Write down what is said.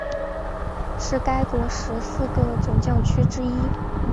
是该国十四个总教区之一。